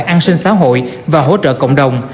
an sinh xã hội và hỗ trợ cộng đồng